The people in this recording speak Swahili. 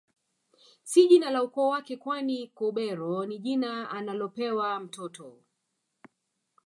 Si jina la ukoo wake kwani Kobero ni jina analopewa mtoto